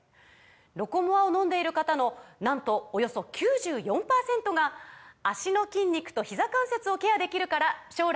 「ロコモア」を飲んでいる方のなんとおよそ９４％が「脚の筋肉とひざ関節をケアできるから将来も安心！」とお答えです